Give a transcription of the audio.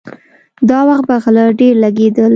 دا وخت به غله ډېر لګېدل.